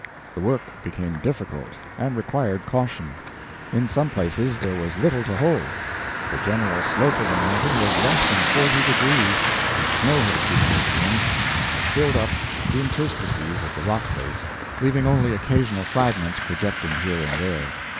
The work became difficult, and required caution. In some places there was little to hold; the general slope of the mountain was LESS than forty degrees, and snow had accumulated in, and had filled up, the interstices of the rock face, leaving only occasional fragments projecting here and there.